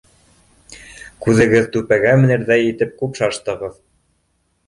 — Күҙегеҙ түпәгә менерҙәй итеп күп шаштығыҙ!